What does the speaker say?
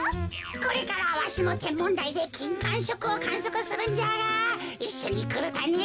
これからわしのてんもんだいできんかんしょくをかんそくするんじゃがいっしょにくるかね？